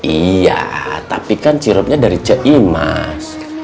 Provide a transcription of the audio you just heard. iya tapi kan sirupnya dari c i m a s